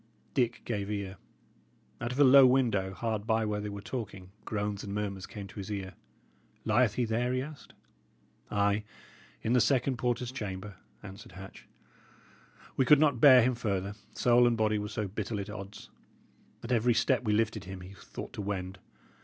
Dick gave ear. Out of a low window, hard by where they were talking, groans and murmurs came to his ear. "Lieth he there?" he asked. "Ay, in the second porter's chamber," answered Hatch. "We could not bear him further, soul and body were so bitterly at odds. At every step we lifted him, he thought to wend.